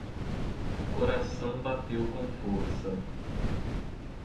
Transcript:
O coração bateu com força.